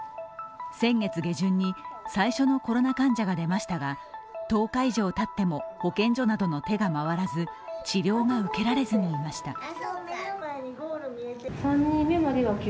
先月下旬に最初のコロナ患者が出ましたが、１０日以上たっても保健所などの手が回らず、治療が受けられずにいました。